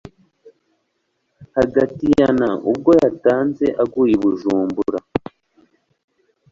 hagati ya na ubwo yatanze aguye i bujumbura